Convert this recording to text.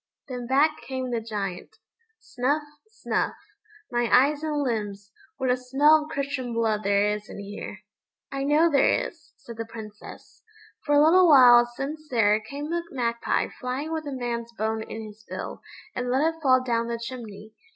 Then back came the Giant. Snuff snuff! "My eyes and limbs, what a smell of Christian blood there is in here!" "I know there is," said the Princess; "for a little while since there came a magpie flying with a man's bone in his bill, and let it fall down the chimney.